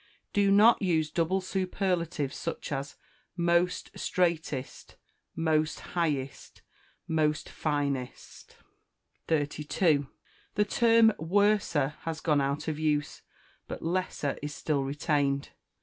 Do not use double superlatives, such as most straightest, most highest, most finest. 32. The term worser has gone out of use; but lesser is still retained.